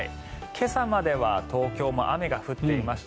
今朝までは東京も雨が降っていました。